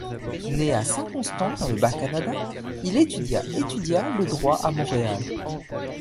Né à Saint-Constant dans le Bas-Canada, il étudia étudia le droit à Montréal.